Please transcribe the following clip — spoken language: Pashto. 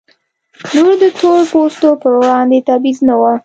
نور د تور پوستو پر وړاندې تبعیض نه و.